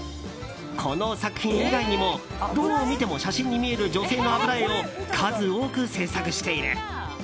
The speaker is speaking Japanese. この作品以外にもどう見ても写真に見える女性の油絵を数多く制作している。